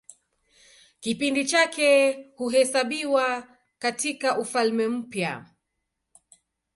Kipindi chake huhesabiwa katIka Ufalme Mpya.